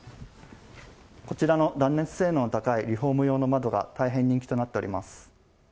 こちらの断熱性能の高いリフォーム用の窓が、大変人気となっております。